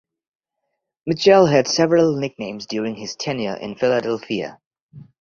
Mitchell had several nicknames during his tenure in Philadelphia.